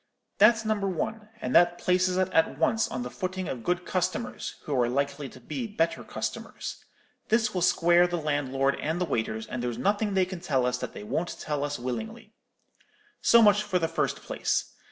That's number one; and that places us at once on the footing of good customers, who are likely to be better customers. This will square the landlord and the waiters, and there's nothing they can tell us that they won't tell us willingly. So much for the first place.